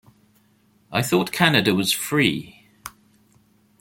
I thought Canada was free.